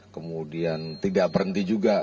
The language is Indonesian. kemudian tidak berhenti juga